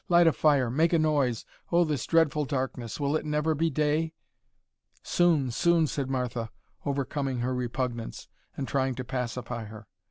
"Light a fire, make a noise; oh, this dreadful darkness! Will it never be day!" "Soon, soon," said Martha, overcoming her repugnance and trying to pacify her.